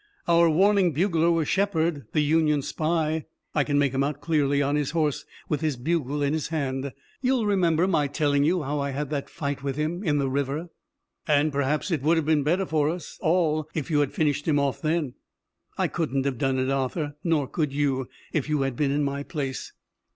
"Our warning bugler was Shepard, the Union spy. I can make him out clearly on his horse with his bugle in his hand. You'll remember my telling you how I had that fight with him in the river." "And perhaps it would have been better for us all if you had finished him off then." "I couldn't have done it, Arthur, nor could you, if you had been in my place."